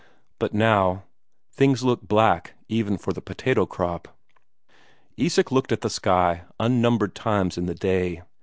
But now things look black even for the potato crop. Isak looked at the sky unnumbered times in the day.